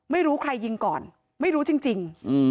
ไม่รู้ใครยิงก่อนไม่รู้จริง